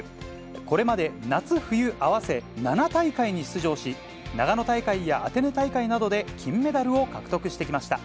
これまで夏冬合わせ７大会に出場し、長野大会やアテネ大会などで金メダルを獲得してきました。